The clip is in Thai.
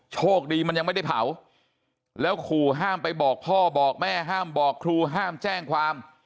โชคดีมันยังไม่ได้เผาแล้วขู่ห้ามไปบอกพ่อบอกแม่ห้ามบอกครูห้ามแจ้งความ